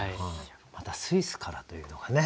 またスイスからというのがね。